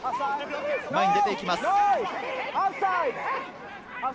前に出ていきます。